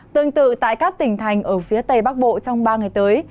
tương tự tại các tỉnh thành ở phía tây bắc bộ trong ba ngày tới